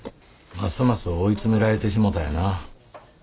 ますます追い詰められてしもたんやな。